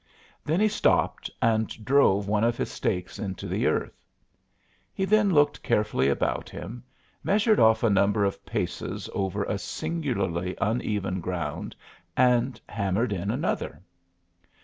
Then he stopped and drove one of his stakes into the earth. He then looked carefully about him, measured off a number of paces over a singularly uneven ground and hammered in another.